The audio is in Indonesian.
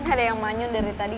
gak ada yang manyun dari tadi